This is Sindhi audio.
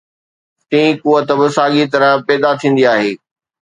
ٽين قوت به ساڳيءَ طرح پيدا ٿيندي آهي.